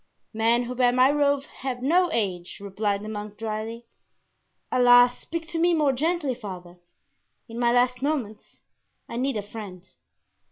"Men who bear my robe have no age," replied the monk, dryly. "Alas, speak to me more gently, father; in my last moments I need a friend."